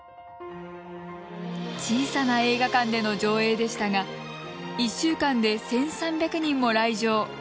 小さな映画館での上映でしたが１週間で１３００人も来場。